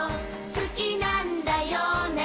「好きなんだよね？」